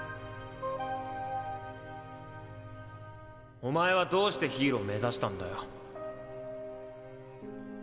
お前はどうしてヒーロー目指したんだよ。